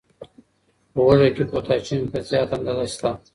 په هوږه کې پوتاشیم په زیاته اندازه شته.